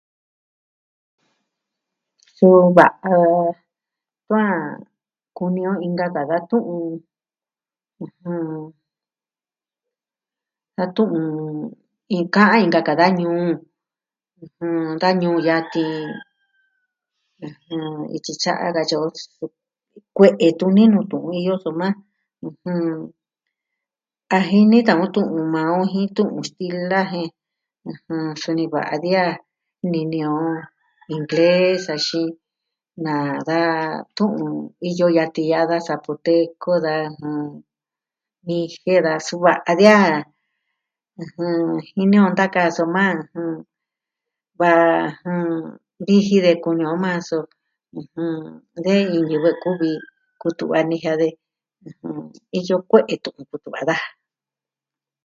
Suu va o kuaa kuni o inka ka da tu'un. ɨjɨn... a tu'un iin ka'an inka ka da ñuu, ɨjɨn... da ñuu yatin ityi tya, katyi o. Kue'e tuni nuu tu'un iyo soma ɨjɨn Taji ni ta'an o tu'un maa o jin tu'un stila jen, ɨjɨn, suni va'a diaa nini o ingles axin na da tu'un iyo yatin ya'a da zapoteco, da, jɨn... mixe, da sua a dia, ɨjɨn, jini o ntaka, soma, da jɨn, viji de kumi o maa, so, ɨjɨn... de iin ñivɨ kuvi kutu'va nijian de, iyo kue'e tu'un kutu'va daa.